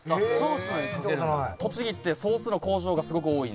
栃木ってソースの工場がすごく多いので。